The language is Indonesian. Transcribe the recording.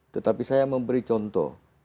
tetapi saya memberi contoh